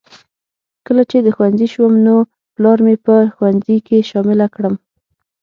کله چې د ښوونځي شوم نو پلار مې په ښوونځي کې شامله کړم